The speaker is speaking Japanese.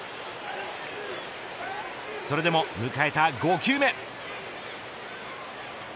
それでも迎えた５球目。